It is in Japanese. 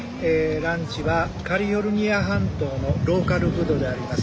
ランチはカリフォルニア半島のローカルフードであります